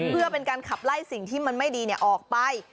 เพื่อเป็นการขับไล่สิ่งที่มันไม่ดีออกไป